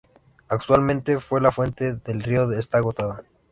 Actualmente la fuente del río está agotada.